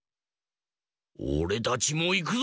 おれたちもいくぞ！